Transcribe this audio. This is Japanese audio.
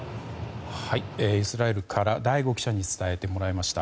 イスラエルから醍醐記者に伝えてもらいました。